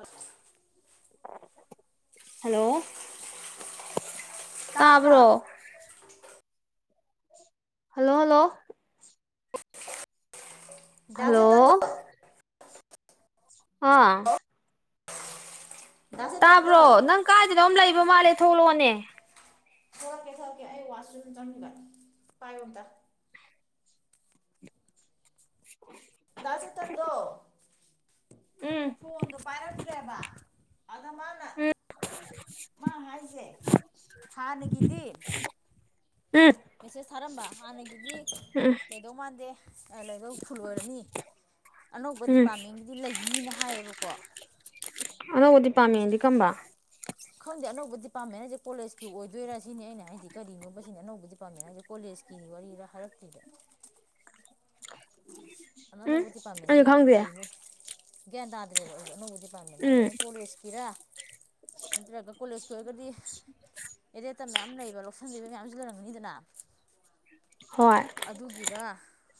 ꯑꯁ ꯍꯜꯂꯣ ꯇꯥꯕ꯭ꯔꯣ hello hello ꯗꯥ ꯍꯜꯂꯣ ꯆꯦꯇꯟꯗꯣ ꯑꯥ ꯗꯥ ꯆꯦꯇꯟꯗꯣ ꯇꯥꯕ꯭ꯔꯣ ꯅꯪ ꯀꯥꯏꯗꯅꯣ ꯑꯃꯝ ꯂꯩꯕ ꯃꯥꯜꯂꯦ ꯊꯣꯛꯂꯛꯑꯣꯅꯦ ꯊꯣꯛꯂꯛꯀꯦ ꯊꯣꯛꯂꯛꯀꯦ ꯑꯩ ꯋꯥꯠꯁꯔꯨꯝ ꯆꯪꯉꯤꯕ ꯄꯥꯏꯌꯣ ꯑꯝꯇ ꯗ ꯆꯦꯇꯟꯗꯣ ꯎꯝ ꯐꯣꯟꯗꯣ ꯄꯥꯏꯔꯛ ꯇꯦꯕ ꯑꯗ ꯃꯥꯅ ꯃꯥ ꯍꯥꯏꯁꯦ ꯍꯥꯟꯅꯒꯤꯗꯤ ꯎꯝ ꯃꯦꯁꯦꯁ ꯊꯥꯔꯝꯕ ꯍꯥꯟꯅꯒꯤꯗꯤ ꯎꯝ ꯂꯩꯗꯧ ꯃꯥꯟꯗꯦ ꯂꯩꯗꯧ ꯐꯨꯜ ꯑꯣꯏꯔꯅꯤ ꯑꯅꯧꯕ ꯎꯝ ꯗꯤꯄꯥꯔꯠꯃꯦꯟꯒꯤꯗꯤ ꯂꯩꯅꯤꯅ ꯍꯥꯏꯌꯦꯕꯀꯣ ꯑꯅꯧꯕ ꯗꯤꯄꯥꯔꯠꯃꯦꯟꯗꯤ ꯀꯝꯕ ꯈꯪꯗꯦ ꯑꯅꯧꯕ ꯗꯤꯄꯥꯔꯠꯃꯦꯟ ꯍꯥꯏꯁꯦ ꯀꯣꯂꯦꯖꯀꯤ ꯑꯣꯏꯗꯣꯏꯔꯥ ꯁꯤꯅꯤ ꯑꯩꯅ ꯍꯥꯏꯗꯤ ꯀꯔꯤꯅꯣꯕ ꯁꯤꯅꯤꯑꯅꯧꯕ ꯗꯤꯄꯥꯔꯠꯃꯦꯟ ꯍꯥꯏꯁꯦ ꯀꯣꯂꯦꯖ ꯂꯦꯁꯀꯤ ꯋꯥꯔꯤꯔ ꯍꯥꯏꯔꯛꯈꯤꯗ [inaudible] ꯎꯝ ꯑꯅꯧꯕ ꯗꯤꯄꯥꯔꯠꯃꯦꯟ ꯑꯩꯁꯨ ꯍꯥꯏꯁꯦ ꯈꯪꯗꯦ ꯀꯩꯅꯣ ꯒ꯭ꯌꯥꯟ ꯇꯥꯗ꯭ꯔꯦꯕ ꯑꯩꯁꯨ ꯑꯅꯧꯕ ꯗꯤꯄꯥꯔꯠꯃꯦꯟ ꯍꯥꯏꯁꯦ ꯎꯝ ꯑꯩꯅ ꯀꯣꯂꯦꯖꯀꯤꯔꯥ ꯅꯠꯇ꯭ꯔꯒ ꯀꯣꯂꯦꯖꯀꯤ ꯑꯣꯏꯔꯒꯗꯤ ꯑꯦꯗꯦꯠꯇ ꯃꯌꯥꯝ ꯂꯩꯕ ꯂꯧꯁꯤꯟꯗꯤꯕ ꯃꯌꯥꯝ ꯁꯤ ꯂꯩꯔꯝꯒꯅꯤꯗꯅ ꯍꯣꯏ ꯑꯗꯨꯒꯤꯔ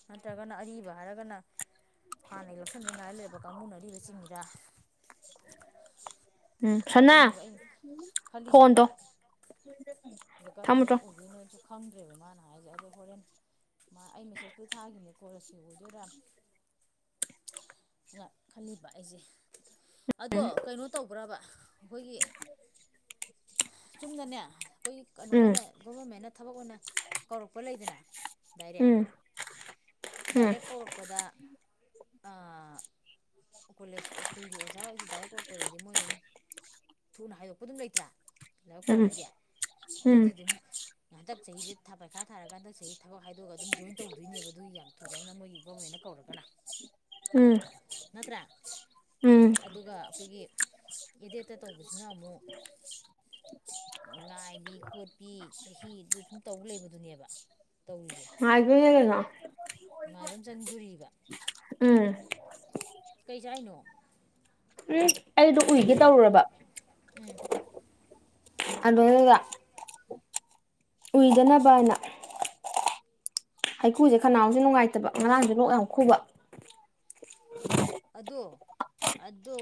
ꯅꯠꯇ꯭ꯔꯒꯅ ꯑꯔꯤꯕ ꯍꯥꯏꯔꯒꯅ ꯍꯥꯟꯅꯒꯤ ꯂꯧꯁꯟꯅꯤꯡꯉꯥꯏ ꯂꯩꯔꯕ ꯀꯥꯡꯕꯨꯅ ꯑꯔꯤꯕꯆꯤꯡꯉꯤꯔ ꯎꯝ ꯁꯅꯥ ꯐꯣꯟ ꯗꯣ ꯑꯗ ꯀꯔꯝꯕ ꯑꯣꯏꯗꯣꯏꯅꯣꯁꯨ ꯈꯪꯗ꯭ꯔꯦꯕ ꯃꯥꯅ ꯍꯥꯏꯁꯦ ꯑꯗꯣ ꯍꯣꯔꯦꯟ ꯃꯥ ꯑꯩ ꯃꯦꯁꯦꯁꯇꯨ ꯊꯥꯈꯤꯅꯦ ꯀꯣꯂꯦꯖꯀꯤ ꯑꯣꯏꯗꯣꯏꯔ ꯈꯜꯂꯤꯕ ꯑꯩꯁꯦ ꯑꯗꯣ ꯀꯩꯅꯣ ꯇꯧ ꯄꯨꯔꯥꯕ ꯑꯩꯈꯣꯏꯒꯤ ꯆꯨꯝꯅꯅꯦ ꯑꯩꯈꯣꯏꯒꯤ ꯀꯩꯅꯣ ꯎꯝ ꯑꯣꯏꯅ ꯒꯣꯕꯔꯃꯦꯟꯅ ꯊꯕꯛ ꯑꯣꯏꯅ ꯀꯧꯔꯛꯄ ꯂꯩꯗꯅ ꯗꯥꯏꯔꯦꯛ ꯎꯝ ꯎꯝ ꯗꯥꯏꯔꯦꯛ ꯀꯧꯔꯛꯄꯗ ꯑꯥ ꯀꯣꯂꯦꯖ ꯁ꯭ꯀꯨꯜꯒꯤ ꯑꯣꯖꯥ ꯑꯣꯏꯔꯁꯨ ꯗꯥꯏꯔꯦꯛ ꯀꯧꯔꯛꯄꯗꯗꯤ ꯃꯣꯏ ꯑꯗꯨꯝ ꯊꯨꯅ ꯍꯥꯏꯗꯣꯛꯄ ꯑꯗꯨꯝ ꯂꯩꯇ꯭ꯔꯥ ꯎꯝ ꯂꯥꯏꯕꯛꯐꯔꯒꯗꯤ ꯎꯝ ꯑꯗꯨꯗꯤ ꯑꯗꯨꯝ ꯉꯍꯥꯛꯇꯛ ꯆꯍꯤꯁꯦꯥ ꯄꯩꯈꯥ ꯊꯥꯔꯀꯥꯟꯗ ꯆꯍꯤ ꯊꯕꯛ ꯍꯥꯏꯗꯣꯛꯑꯒꯝ ꯖꯣꯏꯟ ꯇꯧꯗꯣꯏꯅꯦꯕ ꯑꯗꯨꯒꯤ ꯌꯥꯝ ꯊꯨꯕ ꯑꯃꯅ ꯃꯣꯏꯒꯤ ꯒꯣꯔꯃꯦꯟꯅ ꯀꯧꯔꯒꯅ [inaudible] ꯎꯝ ꯅꯠꯇ꯭ꯔꯥ ꯎꯝ ꯑꯗꯨꯒ ꯑꯩꯈꯣꯏꯒꯤ ꯑꯦꯗꯠꯇ ꯇꯧꯕꯁꯤꯅ ꯑꯃꯨꯛ ꯉꯥꯏꯕꯤ ꯈꯣꯠꯄꯤ ꯆꯍꯤꯗꯨ ꯁꯨꯝ ꯇꯧ ꯂꯩꯕꯗꯨꯅꯦꯕ ꯇꯧꯔꯤꯁꯦ ꯍꯥꯏꯗꯨꯅ ꯌꯦꯡꯉꯣ ꯅꯨꯡꯉꯥꯏꯕ ꯑꯃ ꯆꯪꯗꯣꯔꯤꯕ ꯀꯩ ꯆꯥꯏꯅꯣ ꯎꯝ ꯑꯩꯗꯣ ꯎꯏꯒꯦ ꯇꯧꯔꯨꯔꯕ ꯑꯗꯩꯗꯨꯗ ꯑꯨꯏꯗꯅꯕꯅ ꯍꯩꯀꯨꯖꯦ ꯈꯅꯥꯎꯖꯨ ꯅꯨꯡꯉꯥꯏꯇꯕ ꯉꯔꯥꯡꯖꯨ ꯂꯣꯛ ꯌꯥꯝ ꯈꯨꯕ ꯑꯗꯣ ꯑꯗꯣ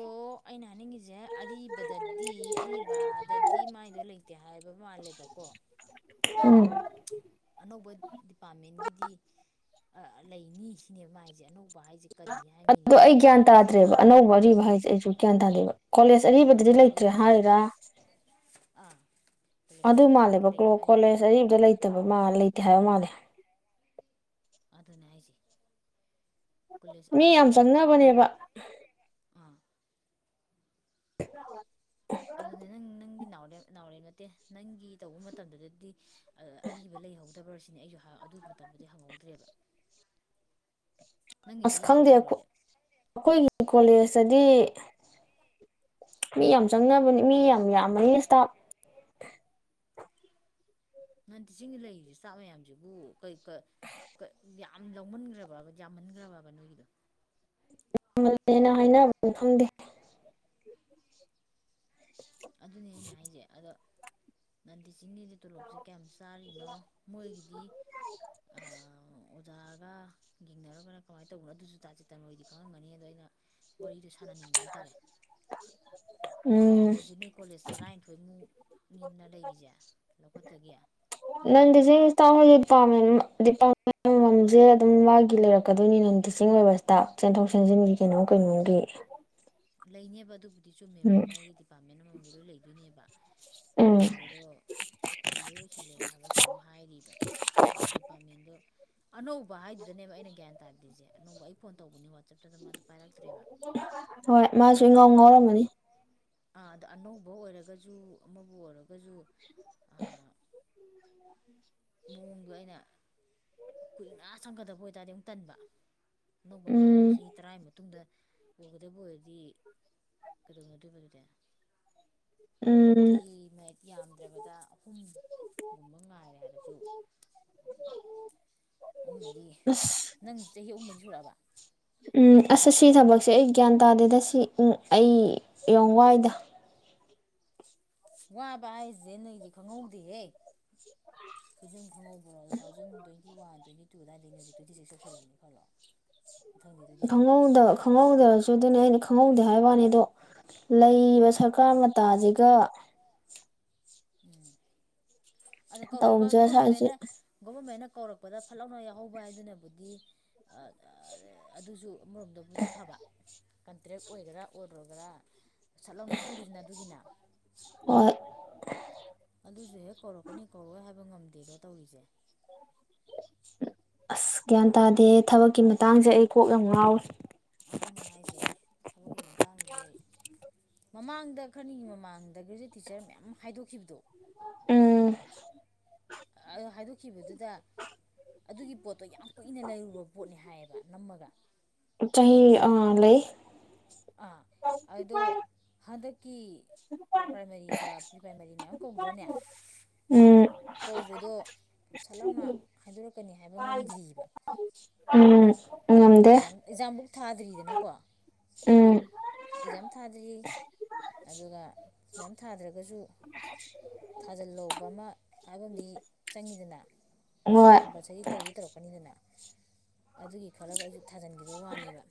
ꯑꯩꯅ ꯍꯥꯏꯅꯤꯡꯉꯤꯁꯦ ꯑꯔꯤꯕꯗꯗꯤ ꯑꯔꯤꯕꯗꯗꯤ ꯃꯥꯏꯗꯣ ꯂꯩꯇꯦ ꯍꯥꯏꯕ ꯃꯥꯜꯂꯦꯕꯀꯣ ꯎꯝ ꯑꯅꯧꯕ ꯗꯤꯄꯥꯔꯠꯃꯦꯟꯒꯤꯗꯤ ꯂꯩꯅꯤ ꯁꯤꯅꯦꯕ ꯃꯥ ꯍꯥꯏꯖꯦ ꯑꯅꯧꯕ ꯍꯥꯏꯖꯦ ꯑꯗꯨꯗꯣ ꯑꯩ ꯒ꯭ꯌꯥꯟ ꯇꯥꯗ꯭ꯔꯦꯕ ꯑꯅꯧꯕ ꯑꯔꯤꯕ ꯍꯥꯏꯖꯦ ꯑꯩꯖꯨ ꯒ꯭ꯌꯥꯟ ꯇꯥꯗꯦꯕ ꯀꯣꯂꯦꯖ ꯑꯔꯤꯕꯗꯗꯤ ꯂꯩꯇ꯭ꯔꯦ ꯍꯥꯏꯔꯥ ꯑꯗꯨ ꯃꯥꯜꯂꯦꯕ ꯀ꯭ꯂꯣ ꯀꯣꯂꯦꯖ ꯑꯔꯤꯕꯗ ꯂꯩꯇꯕ ꯃꯥꯜ ꯂꯩꯇꯦ ꯍꯥꯏꯕ ꯃꯥꯜꯂꯦ ꯑꯗꯨꯅꯦ ꯍꯥꯏꯖꯤ ꯃꯤ ꯌꯥꯝ ꯆꯪꯅꯕꯅꯦꯕ [unintelligible] ꯑꯗꯨꯅꯦ ꯅꯪ ꯅꯪꯗꯤ ꯅꯥꯎꯔꯦꯝ ꯅꯥꯎꯔꯦꯝ ꯅꯠꯇꯦ ꯅꯪꯒꯤ ꯇꯧꯕ ꯃꯇꯝꯗꯨꯗꯗꯤ ꯑꯔꯤꯕ ꯂꯩꯍꯧꯗꯕꯔ ꯁꯤꯅꯦ ꯑꯩꯖꯨ ꯑꯗꯨ ꯃꯇꯝꯗꯗꯤ ꯍꯪꯍꯧꯗ꯭ꯔꯦꯕ ꯑꯁ ꯈꯪꯗꯦ ꯑꯩꯈꯣꯏꯒꯤ ꯀꯣꯂꯦꯖꯇꯗꯤ ꯃꯤ ꯌꯥꯝ ꯆꯪꯅꯕꯅꯤ ꯃꯤ ꯌꯥꯝ ꯌꯥꯝꯕꯅꯤ ꯁꯇꯥꯞ [inaudible] ꯆꯤꯡꯗ ꯂꯩꯔꯤ ꯁꯇꯥꯐ ꯃꯌꯥꯝꯖꯤꯕꯨ ꯀꯩ ꯀꯠ ꯌꯥꯝ ꯂꯧꯃꯟꯒ꯭ꯔꯕꯕ ꯌꯥꯝꯃꯟꯒ꯭ꯔꯕꯕ ꯅꯣꯏꯒꯤꯗꯣ ꯃꯜꯂꯦꯅ ꯍꯥꯏꯅꯕ ꯈꯪꯗꯦ ꯑꯗꯨꯅꯦ ꯑꯩꯅ ꯍꯥꯏꯖꯦ ꯑꯗꯣ ꯅꯟꯗꯤ ꯇꯣꯂꯣꯞꯁꯦ ꯀꯌꯥꯝ ꯆꯥꯔꯤꯅꯣ ꯃꯣꯏꯒꯤꯗꯤ ꯑꯣꯖꯥ ꯌꯦꯡꯅꯔꯒꯔ ꯀꯃꯥꯏ ꯇꯧꯕꯅꯣ ꯑꯗꯨꯖꯨ ꯇꯥ ꯀꯩꯅꯣꯍꯣꯏꯗꯤ ꯈꯪꯉꯝꯒꯅꯤ ꯑꯗꯣ ꯑꯩꯅ ꯋꯥꯔꯤꯗꯣ ꯁꯥꯟꯅꯅꯤꯡꯕ ꯍꯥꯏꯇꯥꯔꯦ ꯎꯝ ꯑꯗ ꯍꯧꯖꯤꯛ ꯅꯣꯏ ꯀꯣꯂꯦꯖ ꯇꯔꯥꯏꯊꯣꯏꯃꯨꯛ [unintelligible] ꯎꯝ ꯖꯦ ꯑꯗꯨꯝ ꯃꯥꯒꯤ ꯂꯩꯔꯛꯀꯗꯣꯏꯅꯤ ꯅꯟ ꯇꯤꯆꯤꯡ ꯂꯩꯕ ꯁ꯭ꯇꯥꯐ ꯆꯦꯟꯊꯣꯛ ꯆꯦꯟꯁꯤꯟꯒꯤ ꯀꯩꯅꯣꯝ ꯀꯩꯅꯣꯝꯒꯤ ꯂꯩꯅꯦꯕ ꯑꯗꯨꯕꯨꯗꯤ ꯆꯨꯝꯃꯦꯕ ꯎꯝ ꯃꯥꯒꯤ ꯗꯤꯄꯥꯔꯠꯃꯦꯟ ꯑꯃꯃꯝꯒꯤ ꯂꯣꯏ ꯂꯩꯗꯣꯏꯅꯦꯕ ꯎꯝ ꯂꯩꯕꯗꯣ ꯐꯨꯜꯂꯣꯏ ꯑꯣꯏꯁꯜꯂꯦ ꯍꯥꯏꯕ ꯀꯩꯅꯣꯝ ꯍꯥꯏꯔꯤꯕ ꯗꯤꯄꯥꯔꯠꯃꯦꯟꯗꯣ ꯑꯅꯧꯕ ꯍꯥꯏꯗꯨꯗꯅꯦꯕ ꯑꯩꯅ ꯒ꯭ꯌꯥꯟ ꯇꯥꯗ꯭ꯔꯤꯖꯦ ꯑꯅꯧꯕ ꯑꯩ ꯐꯣꯟ ꯇꯧꯕꯅꯤ ꯋꯥꯆꯞꯇ ꯅꯪ ꯑꯗꯨꯝ ꯄꯥꯏꯔꯛꯇ꯭ꯔꯦꯕ [inaudible] ꯃꯥꯖꯨ ꯏꯉꯥꯎ ꯉꯥꯎꯔꯝꯃꯅꯤ ꯥ ꯑꯗ ꯑꯅꯧꯕ ꯑꯣꯏꯔꯒꯖꯨ ꯑꯃꯕꯨ ꯑꯣꯏꯔꯒꯖꯨ ꯃꯑꯣꯡꯗꯣ ꯑꯩꯅ ꯀꯨꯏꯅ ꯆꯪꯒꯗꯕ ꯑꯣꯏꯇꯥꯔꯗꯤ ꯑꯃꯨꯛ ꯇꯟꯕ ꯑꯅꯧꯕꯅꯦ ꯍꯥꯏꯔꯒ ꯎꯝ ꯆꯍꯤ ꯇ꯭ꯔꯥꯏ ꯃꯇꯨꯡꯗ ꯑꯣꯏꯒꯗꯕ ꯑꯣꯏꯔꯗꯤ ꯀꯗꯧꯅꯗꯣꯏꯕ ꯑꯗꯨꯗꯤ ꯎꯝ ꯆꯍꯤ ꯅꯦ ꯌꯥꯝꯗ꯭ꯔꯕꯗ ꯑꯍꯨꯝꯒꯨꯝꯕ ꯉꯥꯏꯔꯦ ꯍꯥꯏꯔꯖꯨ [unintelligible] ꯑꯍꯨꯝ ꯃꯔꯤ ꯑꯁ ꯅꯪ ꯆꯍꯤ ꯑꯍꯨꯝ ꯃꯔꯤ ꯁꯨꯔꯛꯑꯕ ꯎꯝ ꯑꯁ ꯁꯤ ꯊꯕꯛꯁꯦ ꯑꯩ ꯒ꯭ꯌꯥꯟ ꯇꯥꯗꯦꯗ ꯁꯤ ꯑꯩ ꯌꯥꯝ ꯋꯥꯏꯗ ꯋꯥꯕ ꯍꯥꯏꯖꯦ ꯅꯣꯏꯗꯤ ꯈꯪꯍꯧꯗꯦꯍꯦ ꯑꯗꯨꯝ ꯈꯪꯍꯧꯕ꯭ꯔꯣ two thousand twenty one twenty ꯇꯨꯑꯗꯥꯏꯗꯩꯅꯦ ꯍꯧꯖꯤꯛ ꯇ꯭ꯋꯦꯟꯇꯤ ꯁꯤꯛꯁ ꯌꯧꯁꯤꯜꯂꯕꯅꯤ ꯈꯜꯂꯣ ꯈꯪꯍꯧꯗ ꯈꯪꯍꯧꯗ꯭ꯔꯁꯨ ꯑꯗꯨꯅꯦ ꯑꯩꯅ ꯈꯪꯍꯧꯗꯦ ꯍꯥꯏꯕ ꯋꯥꯅꯤ ꯑꯗꯣ ꯂꯩꯔꯤꯕ ꯁꯔꯀꯥꯔ ꯃꯇꯥꯖꯤꯒ ꯎꯝ ꯑꯗꯣ ꯀꯧꯔꯛꯄ ꯇꯧꯕꯁꯦ ꯁ꯭ꯋꯥꯏꯁꯦ ꯒꯣꯕꯔꯃꯦꯟꯅ ꯒꯣꯕꯔꯃꯦꯟꯅ ꯀꯧꯔꯛꯄꯗ ꯐꯠ ꯂꯥꯎꯅ ꯌꯥꯎꯍꯧꯕ ꯍꯥꯏꯗꯨꯅꯕꯨꯗꯤ ꯑ ꯑ ꯑꯗꯨꯁꯨ ꯑꯃꯔꯣꯝꯗꯕꯨꯗꯤ ꯐꯕ ꯀꯟꯇ꯭ꯔꯦꯛ ꯑꯣꯏꯒꯦꯔꯥ ꯑꯣꯏꯔꯣꯒꯦꯔꯥ ꯁꯠ ꯂꯥꯎꯅ ꯈꯜꯂꯤꯗꯨꯅ ꯑꯗꯨꯒꯤꯅ ꯍꯣꯏ ꯑꯗꯨꯖꯨ ꯍꯦꯛ ꯀꯧꯔꯛꯀꯅꯤ ꯀꯧꯔꯛꯑꯣꯏ ꯍꯥꯏꯕ ꯉꯝꯗꯦꯗꯣ ꯇꯧꯔꯤꯖꯦ ꯑꯁ ꯒ꯭ꯌꯥꯟ ꯇꯥꯗꯦ ꯊꯕꯛꯀꯤ ꯃꯇꯥꯡꯖꯦ ꯑꯩ ꯀꯣꯛ ꯌꯥꯝ ꯉꯥꯎꯋꯤ ꯑꯗꯨꯅꯤ ꯍꯥꯏꯁꯦ ꯊꯕꯛꯀꯤ ꯃꯇꯥꯡꯗꯗꯤ ꯑꯩ ꯃꯃꯥꯡꯗ ꯈꯔꯅꯤꯒꯤ ꯃꯃꯥꯡꯗ ꯒ꯭ꯔꯦꯖꯨꯋꯦꯠ ꯇꯤꯆꯔ ꯃꯌꯥꯝ ꯍꯥꯏꯗꯣꯛꯈꯤꯕꯗꯣ ꯎꯝ ꯑꯥ ꯍꯥꯏꯗꯣꯛꯈꯤꯕꯗꯨꯗ ꯑꯗꯨꯒꯤ ꯄꯣꯠꯇꯣ ꯌꯥꯝ ꯀꯨꯏꯅ ꯂꯩꯔꯨꯕ ꯄꯣꯠꯅꯤ ꯍꯥꯏꯌꯦꯕ ꯅꯝꯃꯒ ꯆꯍꯤ ꯑ ꯂꯩ ꯑꯥ ꯑꯗꯣ ꯍꯟꯗꯛꯀꯤ ꯄ꯭ꯔꯥꯏꯃꯥꯔꯤꯒ ꯄ꯭ꯔꯤ ꯄ꯭ꯔꯥꯏꯃꯔꯤ ꯃꯌꯥꯝ ꯀꯧꯗ꯭ꯔꯅꯦ ꯎꯝ ꯀꯧꯕꯗꯣ ꯁꯠ ꯂꯥꯎꯅ ꯍꯥꯏꯗꯣꯔꯛꯀꯅꯤ ꯍꯥꯏꯕ ꯉꯝꯗ꯭ꯔꯤꯕ ꯎꯝ ꯊꯥꯔꯒꯥ ꯉꯝꯗꯦ ꯑꯦꯛꯖꯥꯝ ꯑꯦꯛꯖꯥꯝꯕꯨꯛ ꯊꯥꯗ꯭ꯔꯤꯗꯅꯀꯣ ꯎꯝ ꯑꯦꯛꯖꯥꯝ ꯊꯥꯗ꯭ꯔꯤ ꯑꯗꯨꯒ ꯑꯦꯛꯖꯥꯝ ꯊꯥꯗ꯭ꯔꯒꯁꯨ ꯊꯥꯖꯤꯜꯂꯧꯕ ꯑꯃ ꯍꯥꯏꯕꯃꯗꯤ ꯆꯪꯉꯤꯗꯅ ꯍꯣꯏ ꯀꯝꯄꯜꯁꯔꯤ ꯇꯧꯗꯤ ꯇꯧꯔꯛꯀꯅꯤꯗꯅ ꯑꯗꯨꯒꯤ ꯈꯜꯂꯒ ꯑꯩꯖꯨ ꯊꯥꯖꯤꯟꯒꯤꯕꯩ ꯋꯥꯅꯦꯕ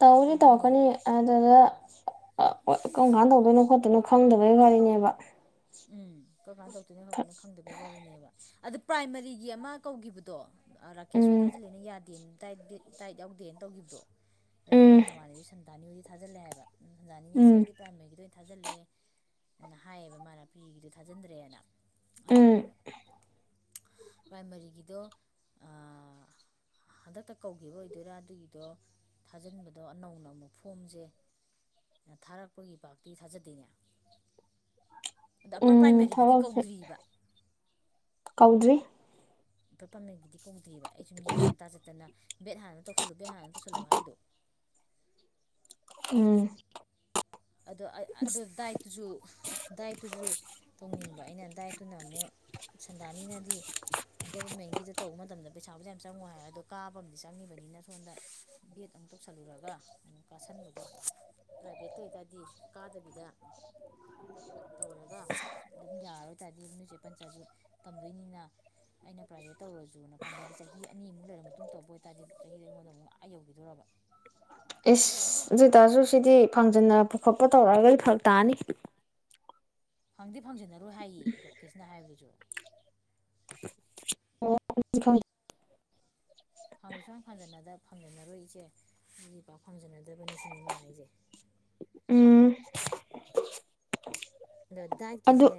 ꯇꯧꯗꯤ ꯇꯧꯔꯛꯀꯅꯤ ꯑꯗꯨꯗ ꯀꯝ ꯀꯥꯟ ꯇꯧꯗꯣꯏꯅꯣ ꯈꯣꯠꯇꯣꯏꯅꯣ ꯈꯪꯗꯕꯒꯤ ꯋꯥꯔꯤꯅꯦꯕ ꯎꯝ ꯀꯝ ꯀꯥꯟꯗ ꯇꯧꯗꯨꯏꯅꯣ ꯈꯪꯗꯕꯒꯤ ꯋꯥꯔꯤꯅꯦꯕ ꯑꯗ ꯄ꯭ꯔꯥꯏꯃꯔꯤꯒꯤ ꯑꯃ ꯀꯧꯒꯤꯕꯗꯣ ꯔꯥꯀꯦꯁ ꯍꯣꯏ ꯎꯝ ꯊꯥꯖꯤꯜꯂꯦꯅ ꯌꯥꯗꯦ ꯗꯥꯏꯠ ꯚꯦꯠ ꯗꯥꯏꯠ ꯌꯥꯎꯗꯦꯅ ꯇꯧꯒꯤꯕꯗꯣ ꯅꯣꯏ ꯎꯝ ꯅꯃꯥꯟꯅꯕꯤ ꯁꯟꯗꯥꯅꯤ ꯍꯣꯏꯗꯤ ꯊꯥꯖꯜꯂꯦ ꯍꯥꯏꯕ ꯁꯟꯗꯥꯅꯤꯅ ꯏꯆꯦ ꯎꯝ ꯑꯩꯗꯤ ꯄ꯭ꯔꯥꯏꯃꯥꯔꯤꯒꯤꯗ ꯑꯣꯏꯅ ꯊꯥꯖꯜꯂꯦꯅ ꯍꯥꯏꯌꯦꯕ ꯃꯥꯅ ꯄꯤꯒꯤꯗꯣ ꯊꯥꯖꯤꯟꯗ꯭ꯔꯦꯅ ꯑꯗ ꯎꯝ ꯄ꯭ꯔꯥꯏꯃꯥꯔꯤꯒꯤꯗꯣ ꯑꯥ ꯍꯟꯗꯛꯇ ꯀꯧꯒꯤꯕ ꯑꯣꯏꯗꯣꯏꯔꯥ ꯑꯗꯨꯒꯤꯗꯣ ꯊꯥꯖꯤꯟꯕꯗꯣ ꯅꯧꯅ ꯑꯃꯨꯛ ꯐꯣꯝꯖꯦ ꯊꯥꯔꯛꯄꯒꯤ ꯄꯥꯥꯛꯇꯤ ꯊꯥꯖꯗꯦꯅꯦ ꯑꯗ ꯑꯞꯄꯔ ꯎꯝ ꯄ꯭ꯔꯥꯏꯃꯔꯤꯒꯤꯗꯤ ꯊꯕꯛꯁꯦ ꯀꯧꯗ꯭ꯔꯤꯕ ꯀꯧꯗ꯭ꯔꯤ [unintelligible] ꯕꯦꯠ ꯍꯥꯟꯅ ꯇꯧꯁꯜꯂꯨ ꯕꯦꯠ ꯍꯥꯟꯅ ꯇꯧꯁꯜꯂꯨ ꯍꯥꯏꯗꯣ ꯎꯝ ꯑꯗꯣ ꯑꯩ ꯑꯗꯨ ꯗꯥꯏꯠꯇꯨꯖꯨ ꯗꯥꯏꯠꯇꯨꯖꯨ ꯇꯧꯅꯤꯡꯕ ꯑꯩꯅ ꯗꯥꯏꯠꯇꯨꯅ ꯑꯃꯨꯛ ꯁꯟꯗꯥꯅꯤꯅꯗꯤ ꯒꯣꯕꯔꯃꯦꯟ ꯒꯤꯗꯣ ꯇꯧꯕ ꯃꯇꯝꯗ ꯄꯩꯁꯥꯕꯨꯗꯤ ꯌꯥꯝ ꯆꯪꯉꯣꯏ ꯍꯥꯏ ꯑꯗꯣ ꯀꯥꯕ ꯑꯃ ꯆꯪꯉꯤꯕꯅꯤ ꯅ ꯁꯣꯟꯗ ꯕꯦꯗ ꯑꯃꯨꯛ ꯇꯧꯁꯜꯂꯨꯔꯒ ꯑꯃꯨꯛ ꯀꯥꯁꯟꯕꯗꯣ ꯄ꯭ꯔꯥꯏꯚꯦꯠ ꯑꯗꯨꯏ ꯇꯥꯗꯤ ꯀꯥꯗꯕꯤꯗ ꯇꯧꯔꯒ ꯑꯗꯨꯝ ꯌꯥꯔꯔꯣꯏ ꯇꯥꯔꯗꯤ ꯅꯣꯏꯆꯦ ꯄꯟꯆꯥꯥ꯭ꯏꯠꯁꯨ ꯇꯝꯗꯣꯏꯅꯤꯅ ꯑꯩꯅ ꯄ꯭ꯔꯥꯏꯚꯦꯠ ꯇꯧꯔꯖꯨꯅ ꯈꯟꯕꯗꯤ ꯆꯍꯤ ꯑꯅꯤꯃꯨꯛ ꯂꯩꯔꯕ ꯃꯇꯨꯡ ꯇꯧꯕ ꯑꯣꯏꯇꯥꯥꯔꯗꯤ ꯆꯍꯤꯗ ꯑꯩꯉꯣꯟꯗ ꯑꯃꯨꯛ ꯑꯥ ꯌꯧꯒꯤꯗꯣꯔꯕ ꯏꯁꯁ ꯑꯗꯨꯇꯥꯔꯖꯨ ꯁꯤꯗꯤ ꯐꯪꯖꯟꯅ ꯈꯣꯠꯄ ꯇꯧꯔꯛꯑꯒꯗꯤ ꯐꯔꯛ ꯇꯥꯅꯤ ꯐꯪꯗꯤ ꯐꯪꯖꯟꯅꯔꯣꯏ ꯍꯥꯏꯌꯦ ꯔꯥꯀꯦꯁꯅ ꯍꯥꯏꯕꯗꯨꯁꯨ ꯑꯣ ꯐꯥꯡꯗꯤ ꯁꯨꯡꯐꯥꯡ ꯐꯥꯡꯖꯤꯟꯅꯗ ꯐꯥꯡꯖꯤꯟꯅꯔꯣꯏ ꯄꯥꯛ ꯐꯪꯖꯟꯅꯗꯕꯅꯤ ꯁꯤꯅꯦꯃꯥ ꯍꯥꯏꯁꯦ ꯎꯝ ꯑꯗꯨ ꯗꯥꯏꯗꯀꯤꯖꯦ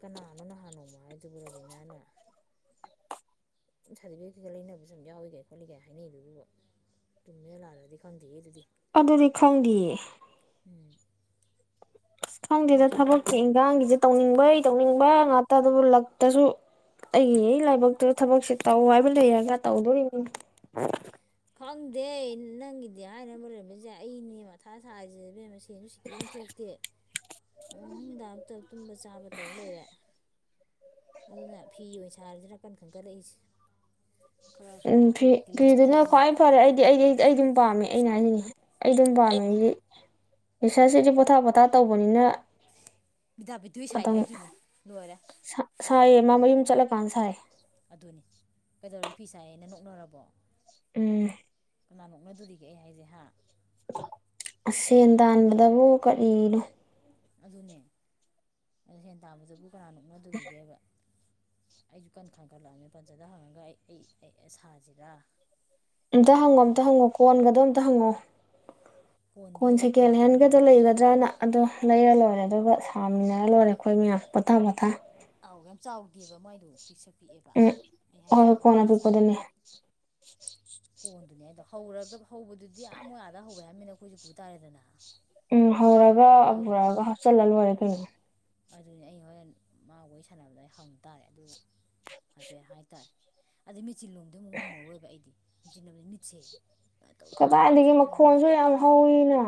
ꯀꯅꯥꯅꯣꯅꯍꯥꯟꯅꯣꯡꯃꯣ ꯍꯥꯏꯗꯨꯕꯨ ꯔꯣꯕꯤꯅꯥꯅ ꯁꯥꯗꯤꯕꯤꯒꯦꯠ ꯂꯩꯅꯕꯁꯨ ꯑꯗꯨꯝ ꯌꯥꯎꯏꯒꯥꯏ ꯈꯣꯠꯂꯤꯒꯥꯏ ꯍꯥꯏꯅꯩꯗꯨꯕꯨ ꯆꯨꯝꯃꯤꯔ ꯂꯥꯜꯂꯤꯔꯗꯤ ꯈꯪꯗꯦꯍꯦ ꯑꯗꯨꯗꯤ ꯑꯗꯨꯗꯤ ꯈꯪꯗꯤꯌꯦ ꯈꯪꯗꯦꯗ ꯊꯕꯛꯀꯤ ꯏꯟꯒꯥꯡꯒꯤꯖꯦ ꯇꯧꯅꯤꯡꯕꯩ ꯇꯧꯅꯤꯡꯕ ꯉꯥꯛꯇ ꯑꯗꯨꯕꯨ ꯂꯛꯇꯁꯨ ꯑꯩꯒꯤ ꯑꯩꯒꯤ ꯂꯥꯏꯕꯛꯇ ꯊꯕꯛꯁꯦ ꯇꯧ ꯍꯥꯏꯕ ꯂꯩꯔꯒ ꯇꯧꯗꯣꯔꯤꯅꯤ ꯈꯪꯗꯦ ꯅꯪꯒꯤꯗꯤ ꯍꯥꯏꯅ ꯑꯃ ꯂꯩꯔꯝꯕꯖꯨ ꯌꯥꯏ ꯑꯩꯅꯦ ꯃꯊꯥ ꯁꯥꯏꯖꯦ ꯏꯕꯦꯝꯃ ꯀ ꯁꯤꯀꯤ ꯑꯃ ꯊꯣꯛꯇꯦ ꯃꯍꯪꯗ ꯑꯝꯇ ꯇꯨꯝꯕ ꯆꯥꯕ ꯇꯧ ꯂꯩꯔꯦ ꯑꯗꯨꯅ ꯐꯤ ꯑꯣꯏꯅ ꯁꯥꯒꯤꯔꯅ ꯀꯟ ꯈꯟꯒꯠꯂꯛꯏꯖꯦ ꯎꯝ ꯐꯤ ꯐꯤꯗꯨꯅ ꯈ꯭ꯋꯥꯏ ꯐꯔꯦ ꯑꯩꯗꯤ ꯑꯩꯗꯤ ꯑꯩꯗꯤ ꯑꯩ ꯑꯗꯨꯝ ꯄꯥꯝꯃꯦ ꯑꯩꯅ ꯍꯥꯏꯖꯤꯅꯤ ꯑꯩ ꯑꯗꯨꯝ ꯄꯥꯝꯃꯦ ꯑꯩꯗꯤ ꯔꯤꯁ꯭ꯔꯁꯁꯤꯗꯤ ꯄꯣꯊꯥ ꯄꯣꯊꯥ ꯇꯧꯕꯅꯤꯅ ꯑꯇꯪ ꯁꯥꯏꯌꯦ ꯃꯥ ꯃꯌꯨꯝ ꯆꯠꯂꯀꯥꯟꯗ ꯁꯥꯏ ꯑꯗꯨꯅꯦ ꯀꯩꯗꯧꯔꯒꯦ ꯐꯤꯁꯥꯏꯌꯦꯅ ꯅꯣꯛꯅꯔꯕꯣ ꯎꯝ ꯀꯅꯥ ꯅꯣꯛꯅꯗꯣꯔꯤꯒꯦ ꯑꯩ ꯍꯥꯏꯁꯦ ꯍꯥ ꯁꯦꯟ ꯇꯥꯟꯕꯗꯕꯨ ꯀꯔꯤꯅꯣ ꯑꯗꯨꯅꯦ ꯁꯦꯟ ꯇꯥꯟꯕꯗꯕꯨ ꯀꯅꯥ ꯅꯣꯛꯅꯗꯣꯔꯤꯒꯦꯕ ꯑꯩꯖꯨ ꯀꯟ ꯈꯟꯒꯠꯂꯛꯑꯕꯅꯤ ꯄꯟꯖꯗ ꯍꯪꯉꯒ ꯑꯩ ꯑꯩ ꯑꯩ ꯁꯥꯖꯤꯔ ꯑꯝꯇ ꯍꯪꯉꯣ ꯑꯝꯇ ꯍꯪꯉꯣ ꯀꯣꯟꯒꯗꯣ ꯑꯝꯇ ꯍꯪꯉꯣ ꯀꯣꯟ ꯁꯦꯀꯦꯟ ꯍꯦꯟꯒꯗ ꯂꯩꯒꯗ꯭ꯔꯅ ꯑꯗꯣ ꯂꯩꯔ ꯂꯣꯏꯔꯦ ꯑꯗꯨꯒ ꯁꯥꯃꯤꯟꯅꯔ ꯂꯣꯏꯔꯦ ꯑꯩꯈꯣꯏ ꯃꯌꯥꯝ ꯄꯣꯊꯥ ꯄꯣꯊꯥ ꯑꯥꯎ ꯌꯥꯝ ꯆꯥꯎꯗꯦꯕ ꯃꯥꯏꯗꯣ ꯄꯤꯁꯛ ꯄꯤꯛꯑꯦꯕ ꯎꯝ ꯑꯩ ꯍꯣꯏ ꯍꯣꯏ ꯍꯥꯏꯖꯤꯅꯤ ꯀꯣꯟ ꯋꯥꯡꯒꯩ ꯑꯄꯤꯛꯄꯗꯨꯅꯦ ꯁꯥꯕꯒꯤ ꯀꯣꯟꯗꯨꯅꯦ ꯍꯥꯏꯗꯣ ꯍꯧꯔꯒ ꯍꯧꯕꯗꯨꯗꯤ ꯑꯥ ꯃꯣꯏ ꯑꯗꯥꯥ ꯍꯧꯌꯦ ꯍꯥꯏꯔꯃꯤꯅ ꯈꯣꯏꯖꯨ ꯄꯨ ꯇꯥꯔꯦꯗꯅ ꯎꯝ ꯍꯧꯔꯒ ꯄꯨꯔꯛꯒ ꯍꯥꯞꯆꯤꯜꯂ ꯂꯣꯏꯔꯦ ꯀꯩꯅꯣ ꯑꯗꯨꯅꯤ ꯑꯩ ꯍꯣꯔꯦꯟ ꯃꯥ ꯋꯥꯔꯤ ꯁꯥꯟꯅꯕꯗ ꯑꯩ ꯍꯪ ꯇꯥꯔꯦ ꯑꯗꯨꯒ ꯍꯥꯏꯐꯦꯠ ꯍꯥꯏꯇꯥꯔꯦ ꯑꯗꯩ ꯃꯦꯆꯤꯟ ꯂꯣꯝꯗ ꯑꯃꯨꯛ ꯉꯝꯃꯔꯣꯏꯕ ꯑꯩꯗꯤ ꯃꯦꯆꯤꯜ ꯂꯣꯝꯁꯦ ꯃꯤꯠꯁꯦ ꯀꯗꯥꯏꯗꯒꯤ ꯃꯈꯣꯟꯖꯨ ꯌꯥꯝ ꯍꯧꯋꯤꯅ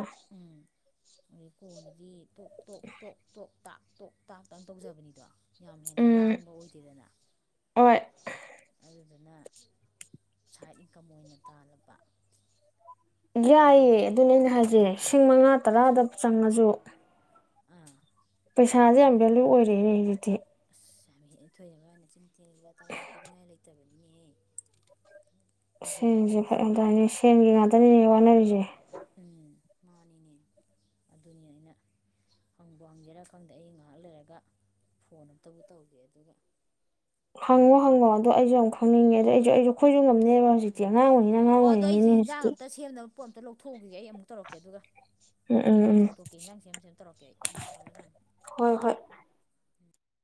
ꯑꯩ ꯀꯣꯟꯗꯨꯗꯤ ꯇꯣꯛ ꯇꯣꯛ ꯇꯣꯛ ꯇꯣꯛ ꯇꯥꯛ ꯇꯣꯛ ꯇꯥꯛꯇꯪ ꯇꯧꯖꯕꯅꯤꯗꯣ ꯌꯥꯝ ꯍꯦꯟꯅ ꯎꯝ ꯂꯥꯡꯕ ꯑꯣꯏꯗꯦꯗꯅ ꯍꯣꯏ ꯑꯗꯨꯗꯨꯅ ꯁꯥꯏꯠ ꯏꯟꯀꯝ ꯑꯣꯏꯅ ꯇꯥꯜꯂꯕ ꯌꯥꯏꯌꯦ ꯑꯗꯨꯅꯦ ꯑꯩꯅ ꯍꯥꯏꯖꯦ ꯂꯤꯁꯤꯡ ꯃꯉꯥ ꯇꯔꯥꯗ ꯆꯪꯉꯖꯨ ꯄꯩꯁꯥꯖꯦ ꯌꯥꯝ ꯚꯦꯂꯨ ꯑꯣꯏꯔꯛꯑꯦꯅꯦ ꯍꯧꯖꯤꯛꯇꯤ [unintelligible] ꯄꯤꯅꯤꯡꯉꯥꯏ ꯂꯩꯇꯕꯅꯤꯅꯦꯍꯦ ꯁꯦꯟꯖꯦ ꯐꯔꯛ ꯌꯥꯝ ꯇꯥꯏꯅꯦ ꯁꯦꯟꯒꯤ ꯉꯥꯛꯇꯅꯤꯅꯦ ꯋꯥꯅꯔꯤꯁꯦ ꯎꯝ ꯃꯥꯅꯤꯅꯦ ꯑꯗꯨꯅꯤ ꯑꯩꯅ ꯍꯪꯕꯨ ꯍꯪꯖꯦꯔꯥ ꯈꯪꯗꯦ ꯑꯩ ꯉꯥꯏꯍꯥꯛ ꯂꯩꯔꯒ ꯐꯣꯟ ꯑꯝꯇꯕꯨ ꯇꯧꯒꯦ ꯑꯗꯨꯒ ꯍꯪꯉꯣ ꯍꯪꯉꯣ ꯑꯗꯣ ꯑꯩꯖꯨ ꯌꯥꯝ ꯈꯪꯅꯤꯡꯉꯦ ꯑꯩꯖꯨ ꯑꯩꯖꯨ ꯈꯣꯏꯖꯨ ꯉꯝ ꯂꯦꯃ ꯍꯧꯖꯤꯛꯇꯤ ꯑꯉꯥꯡꯑꯣꯏꯔꯤꯝꯅꯤꯅ ꯑꯉꯥꯡ ꯑꯣꯏꯔꯤꯝꯅꯤꯅꯦ ꯍꯧꯖꯤꯛꯇꯤ ꯄꯣꯠ ꯑꯝꯇ ꯂꯧꯊꯣꯛꯎꯒꯦ ꯑꯩ ꯑꯃꯨꯛ ꯇꯧꯔꯛꯀꯦ ꯑꯗꯨꯒ ꯎꯝ ꯎꯝ ꯏꯟꯖꯥꯡ ꯎꯝ ꯁꯦꯝꯗꯣꯛꯀꯦ ꯏꯟꯖꯥꯡ ꯁꯦꯝ ꯁꯦꯝ ꯇꯧꯔꯛꯀꯦ ꯑꯩ ꯊꯝꯃꯣ ꯊꯝꯃꯣ ꯍꯣꯏ ꯍꯣꯏ